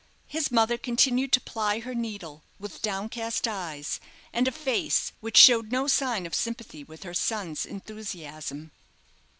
His mother continued to ply her needle, with downcast eyes, and a face which showed no sign of sympathy with her son's enthusiasm.